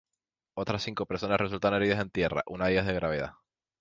Otras cinco personas resultaron heridas en tierra, una de ellas de gravedad.